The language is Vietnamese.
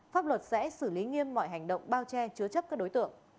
pháp luật sẽ xử lý nghiêm mọi hành động bao che chứa chấp các đối tượng